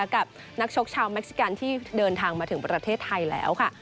กับนักชกชาวเม็กซิกันที่เดินทางมาถึงประเทศไทยแล้วค่ะ